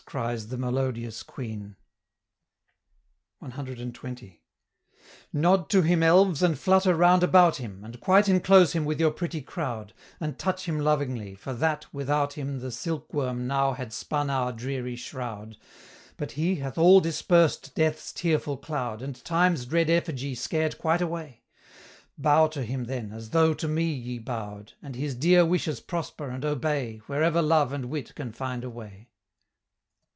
cries the melodious queen. CXX. "Nod to him, Elves, and flutter round about him, And quite enclose him with your pretty crowd, And touch him lovingly, for that, without him, The silkworm now had spun our dreary shroud; But he hath all dispersed Death's tearful cloud, And Time's dread effigy scared quite away: Bow to him then, as though to me ye bow'd, And his dear wishes prosper and obey Wherever love and wit can find a way!"